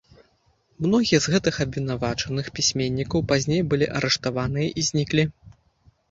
Многія з гэтых абвінавачаных пісьменнікаў пазней былі арыштаваныя і зніклі.